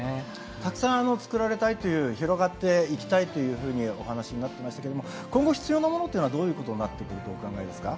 たくさんつくられたいという広がっていきたいというふうにお話しになってましたけども今後必要なものっていうのはどういうことになってくるとお考えですか？